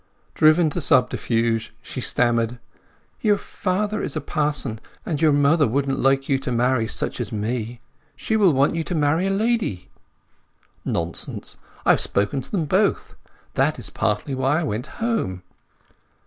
Driven to subterfuge, she stammered— "Your father is a parson, and your mother wouldn' like you to marry such as me. She will want you to marry a lady." "Nonsense—I have spoken to them both. That was partly why I went home."